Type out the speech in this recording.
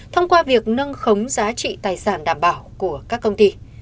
thông qua việc nâng khống giá trị tài sản đảm bảo của các công ty